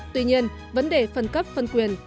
tuy nhiên vấn đề phân cấp phân quyền